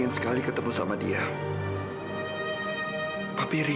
masya allah kamila